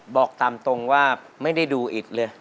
บอกตามตรงว่าไม่ได้ดูอิดเลย